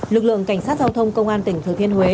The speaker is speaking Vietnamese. lực lượng cảnh sát giao thông công an tỉnh thừa thiên huế